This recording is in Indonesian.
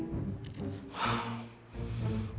muka lo penuh tai burung dik